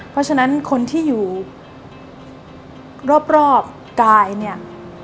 เพราะฉะนั้นคนที่อยู่รอบกายเนี่ย